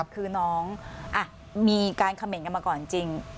คือน้องมีการเขม่นกันมาก่อนจริง